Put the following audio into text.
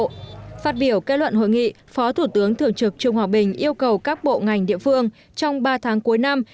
theo biểu kết luận hội nghị phó thủ tướng thượng trực trung hòa bình yêu cầu các bộ ngành địa phương trong ba tháng cuối năm